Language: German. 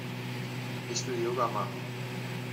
Ich will Yoga machen.